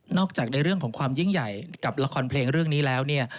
จากในเรื่องของความยิ่งใหญ่กับละครเพลงเรื่องนี้แล้วเนี่ย